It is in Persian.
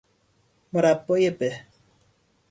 مربای به